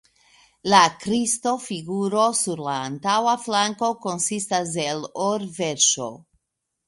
La Kristo-figuro sur la antaŭa flanko konsistas el or-verŝo.